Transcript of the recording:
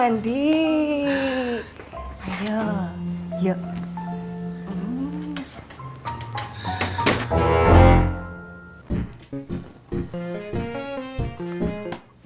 gak ada apa apa